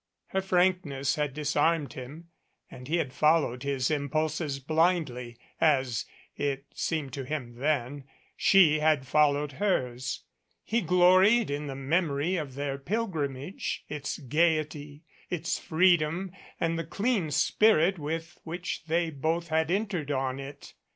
Her frankness had disarmed 305 MADCAP him, and he had followed his impulses blindly, as (it seemed to him then) she had followed hers. He gloried in the memory of their pilgrimage, its gayety, its freedom and the clean spirit with which they both had entered on it.